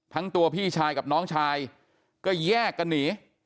ทั้งตัวพี่ชายกับน้องชายก็แยกกันหนี